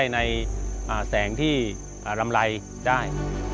ในแสงที่ลำไรได้